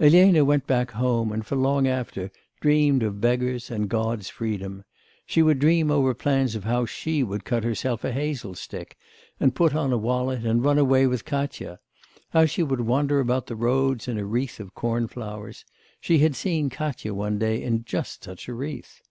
Elena went back home, and for long after dreamed of beggars and God's freedom; she would dream over plans of how she would cut herself a hazel stick, and put on a wallet and run away with Katya; how she would wander about the roads in a wreath of corn flowers; she had seen Katya one day in just such a wreath.